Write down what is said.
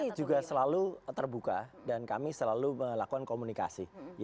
kami juga selalu terbuka dan kami selalu melakukan komunikasi